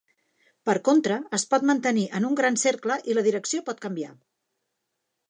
Per contra, es pot mantenir en un gran cercle i la direcció pot canviar.